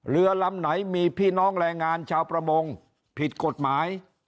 เรือลำไหนมีพี่น้องแรงงานชาวประมงผิดกฎหมาย